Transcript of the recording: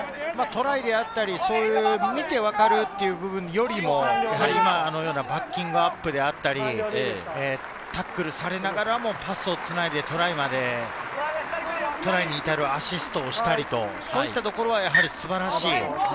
トライであったり見て分かるっていう部分よりも、今のようなバッキングアップであったり、タックルされながらもパスをつないでトライまで、トライに至るアシストをしたりと、こういったところがやはり素晴らしい。